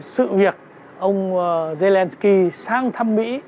sự việc ông zelensky sang thăm mỹ